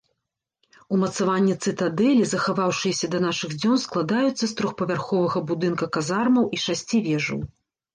Умацаванні цытадэлі, захаваўшыяся да нашых дзён, складаюцца з трохпавярховага будынка казармаў і шасці вежаў.